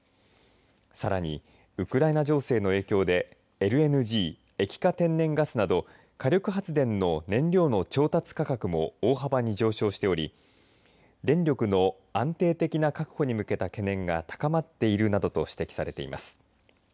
さらにウクライナ情勢の影響でＬＮＧ、液化天然ガスなど火力発電の燃料の調達価格も大幅に上昇しており電力の安定的な確保に向けた懸念が高まっているなどと指摘されています。